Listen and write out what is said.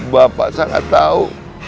bapak sangat tau